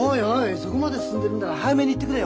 そこまで進んでるんなら早めに言ってくれよ。